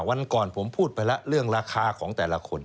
วันก่อนผมพูดไปแล้วเรื่องราคาของแต่ละคน